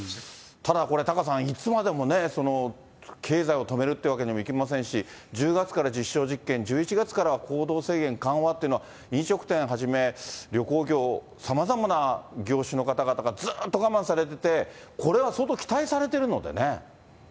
ただこれ、タカさん、いつまでもね、経済を止めるってわけにもいきませんし、１０月から実証実験、１１月からは行動制限緩和ってのは、飲食店はじめ、旅行業、さまざまな業種の方々がずーっと我慢されてて、これは相当期待されてるのでね。